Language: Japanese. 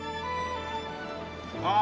ああ！